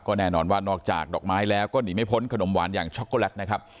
แน่นอนว่านอกจากดอกไม้แล้วก็หนีไม่พ้นขนมหวานอย่างช็อกโกแลตนะครับ